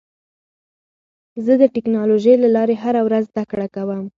زه د ټکنالوژۍ له لارې هره ورځ زده کړه کوم.